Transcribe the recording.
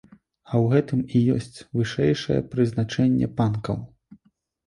А ў гэтым і ёсць вышэйшае прызначэнне панкаў!